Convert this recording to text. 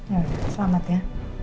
ya udah selamat ya